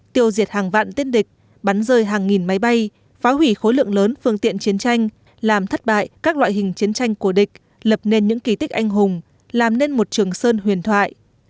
tiêu diệt hàng vạn tiên địch bắn rơi hàng nghìn máy bay phá hủy khối lượng lớn phương tiện chiến tranh làm thất bại các loại hình chiến tranh của địch lập nên những kỳ tích anh hùng làm nên một trường sơn huyền thoại